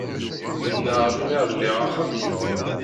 Mennaɣ lemmer liɣ axxam-inu.